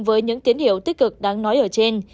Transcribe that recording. với những tiến hiệu tích cực đáng nói ở trên